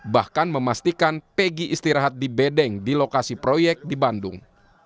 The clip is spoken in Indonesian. bahkan memastikan pegi istirahat di bedeng di lokasi proyek di bandung